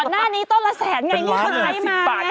ก่อนหน้านี้ต้นละแสนไงนี่เขาใช้มาไง